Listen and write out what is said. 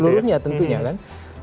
seluruhnya tentunya kan